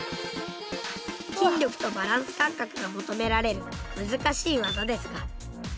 筋力とバランス感覚が求められる難しい技ですが。